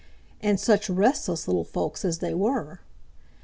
And such restless little folks as they were!